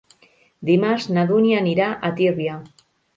Dimarts na Dúnia anirà a Tírvia.